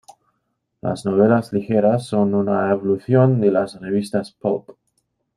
Las novelas ligeras son una evolución de las revistas Pulp.